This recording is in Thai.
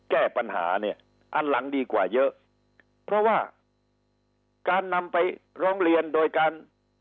แก้ปัญหาเนี่ยอันหลังดีกว่าเยอะเพราะว่าการนำไปร้องเรียนโดยการ